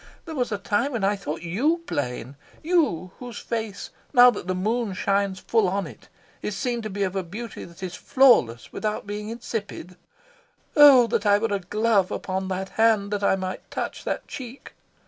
There was a time when I thought YOU plain you whose face, now that the moon shines full on it, is seen to be of a beauty that is flawless without being insipid. Oh that I were a glove upon that hand, that I might touch that cheek!